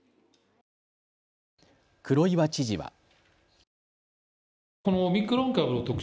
黒岩知事は。